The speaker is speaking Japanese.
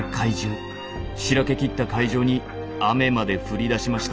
しらけきった会場に雨まで降りだしました。